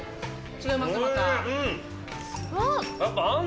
違います。